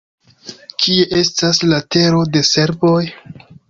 Kie estas la tero de serboj?